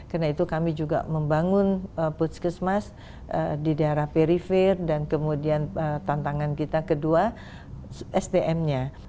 karena itu kami juga membangun puskesmas di daerah perifer dan kemudian tantangan kita kedua sdm nya